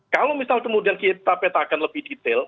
kalau misal kemudian kita petakan lebih detail